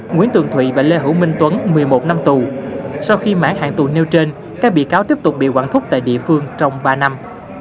nguyễn tường thụy và lê hữu minh tuấn một mươi một năm tù sau khi mãn hạn tù nêu trên các bị cáo tiếp tục bị quản thúc tại địa phương trong ba năm